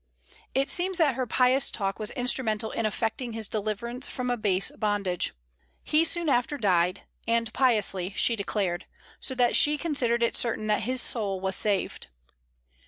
It seems that her pious talk was instrumental in effecting his deliverance from a base bondage. He soon after died, and piously, she declared; so that she considered it certain that his soul was saved.